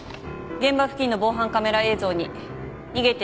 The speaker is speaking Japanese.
現場付近の防犯カメラ映像に逃げていく不審な男を発見。